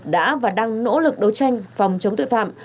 đã và đang nỗ lực đấu tranh phòng chống tội phạm